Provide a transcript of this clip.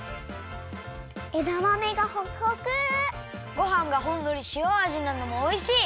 ごはんがほんのりしおあじなのもおいしい！